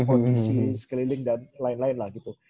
kondisi sekeliling dan lain lain lah gitu